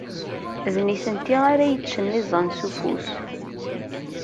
D nitenti ara yeččen iẓẓan s ufus.